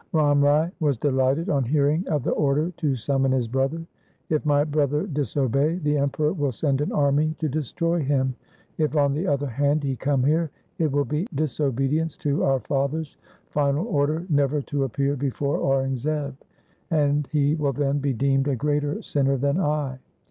Ram Rai was delighted on hearing of the order to summon his brother —' If my brother disobey, the Emperor will send an army to destroy him. If, on the other hand, he come here, it will be in disobedience to our father's final order never to appear before Aurangzeb ; and he will then be deemed a greater sinner than I.